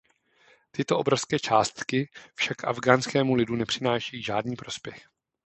Tyto obrovské částky však afghánskému lidu nepřinášejí žádný prospěch.